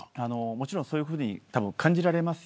もちろん、そういうふうに感じると思います。